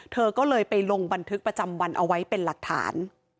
เธอก็เลยไปลงบันทึกประจำวันเอาไว้เป็นหลักฐาน